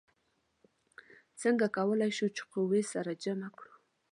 څنګه کولی شو چې قوې سره جمع کړو؟